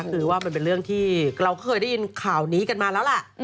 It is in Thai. คือว่ามันเป็นเรื่องที่เราเคยได้ยินข่าวนี้กันมาแล้วล่ะ